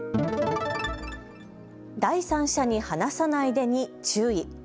第三者に話さないでに注意。